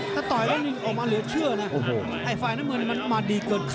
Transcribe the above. ถ้าตอยแล้วออกมาเลยเอาคิดว่าไฟน้ะมันมาดีเกิน